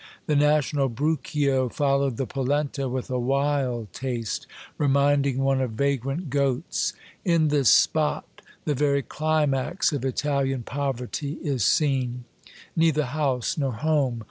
The national bruccio followed the polentay with a wild taste reminding one of vagrant 282 Monday Tales, goats. In this spot the very climax of Italian pov erty is seen. Neither house nor home.